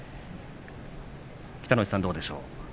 北の富士さん、どうでしょう。